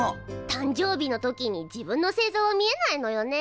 誕生日の時に自分の星座は見えないのよね。